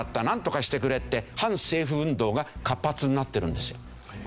なんとかしてくれ」って反政府運動が活発になってるんですよ。